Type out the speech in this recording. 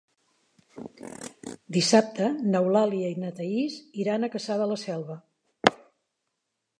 Dissabte n'Eulàlia i na Thaís iran a Cassà de la Selva.